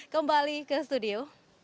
kembali ke studio